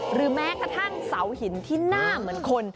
หรือแม้กระทั่งเสาหินที่หน้าเหมือนคน